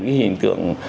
cái hình tượng